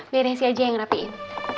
biar ya si aja yang rapiin